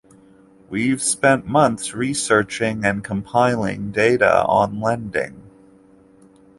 We’ve spent months researching and compiling data on lending.